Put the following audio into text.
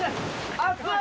熱い！